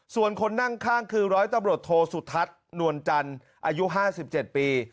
ส่วนคนนั่งข้างคือร้อยตำรวจโทสุทัศน์นวลจันทร์อายุ๕๗ปี